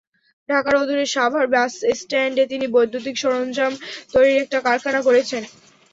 ঢাকার অদূরে সাভার বাসস্ট্যান্ডে তিনি বৈদ্যুতিক সরঞ্জাম তৈরির একটি কারখানা গড়েছেন।